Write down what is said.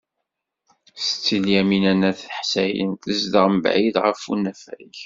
Setti Lyamina n At Ḥsayen tezdeɣ mebɛid ɣef unafag.